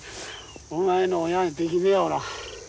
お前の親はできねえよおら。